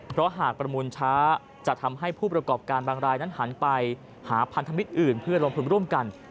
เพราะหากประมูลช้าจะทำให้ผู้ประกอบการบางรายนั้นหันไปหาพันธมิตรอื่นเพื่อลงทุนร่วมกัน